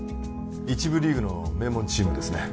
１部リーグの名門チームですね